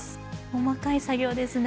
細かい作業ですね。